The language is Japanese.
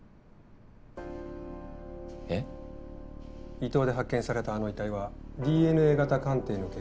伊東で発見されたあの遺体はＤＮＡ型鑑定の結果